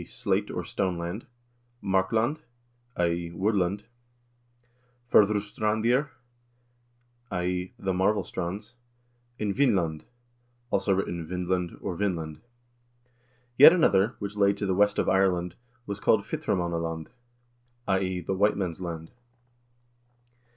e. slate or stone land), 'Markland' (i.e. wood land), 'Furoustrandir' (i.e. the marvel strands), and 'Vinland' (also written 'Vindland,' or 'Vinland'). Yet another, which lay to the west of Ireland, was called 'Hvftra manna land' (i.e. the white men's land).